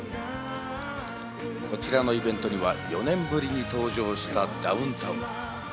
こちらのイベントには４年ぶりに登場したダウンタウン。